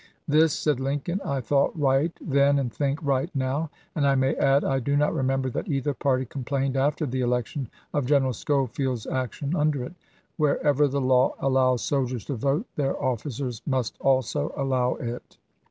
This," said Lincoln, " I thought right then and think right now, and I may add I do not remember that either party complained after the election of General Schofield's action Rosecran?, under it. Wherever the law allows soldiers to vote, 1864? 'ms. their officers must also allow it."